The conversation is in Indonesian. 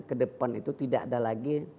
ke depan itu tidak ada lagi